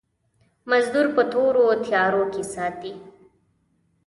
مزدور په تورو تيارو کې ساتي.